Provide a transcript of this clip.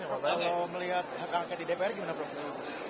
kalau melihat hak angket di dpr gimana prof